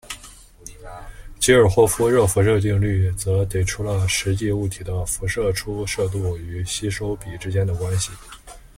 基尔霍夫热辐射定律则给出了实际物体的辐射出射度与吸收比之间的关系。